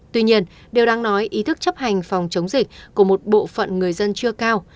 tuy nhiên điều đáng nói ý thức chấp hành phòng chống dịch của một bộ phận người dân chưa cao